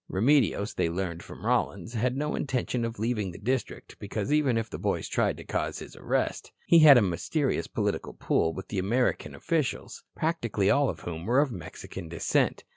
Remedios, they learned from Rollins, had no intention of leaving the district because even if the boys tried to cause his arrest he had a mysterious political pull with the American officials, practically all of whom were of Mexican descent.